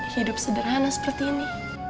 hidup sederhana seperti ini